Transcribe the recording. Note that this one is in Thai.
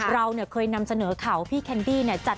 เราเนี่ยเคยนำเสนอข่าวพี่แคนดี้เนี่ย